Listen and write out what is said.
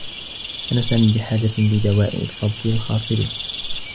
كان سامي بحاجة لدواء الرّبو الخاص به.